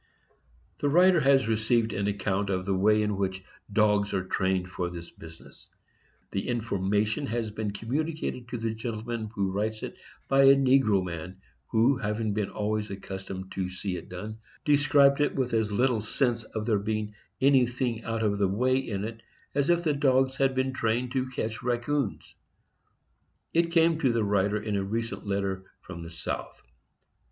The writer has received an account of the way in which dogs are trained for this business. The information has been communicated to the gentleman who writes it by a negro man, who, having been always accustomed to see it done, described it with as little sense of there being anything out of the way in it as if the dogs had been trained to catch raccoons. It came to the writer in a recent letter from the South.